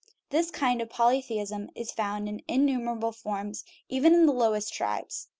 This kind of polytheism is found in innumer able forms even in the lowest tribes.